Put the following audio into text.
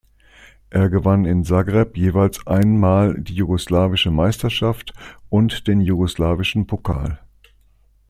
Er gewann in Zagreb jeweils ein Mal die jugoslawische Meisterschaft und den jugoslawischen Pokal.